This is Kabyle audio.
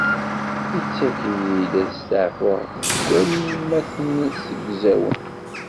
Ittak-iyi-d asteɛfu deg walmaten zegzawen.